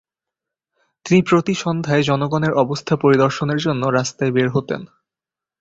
তিনি প্রতি সন্ধ্যায় জনগণের অবস্থা পরিদর্শনের জন্য রাস্তায় বের হতেন।